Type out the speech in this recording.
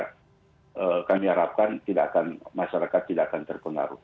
kalau kita semua bersatu melawan itu saya kira kami harapkan masyarakat tidak akan terpenaruh